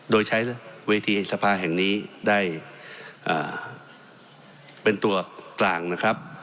โดยใช้วิทยาลัยสภาษณ์แห่งนี้ได้เป็นตัวต่างนะครับ